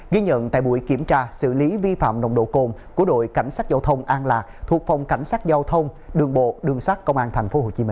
ghi nhận tại buổi kiểm tra xử lý vi phạm nồng độ cồn của đội cảnh sát giao thông an lạc thuộc phòng cảnh sát giao thông đường bộ đường sát công an tp hcm